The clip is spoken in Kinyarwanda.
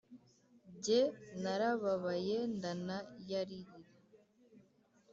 jye narababaye ndanayaririra